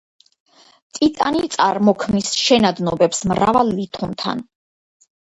ტიტანი წარმოქმნის შენადნობებს მრავალ ლითონთან.